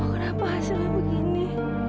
kenapa hasilnya begini